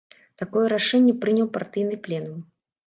Такое рашэнне прыняў партыйны пленум.